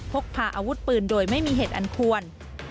พกพาอาวุธปืนโดยไม่มีเหตุอันควร